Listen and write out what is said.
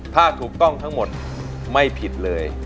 ถ้าถูกต้องทั้งหมดไม่ผิดเลย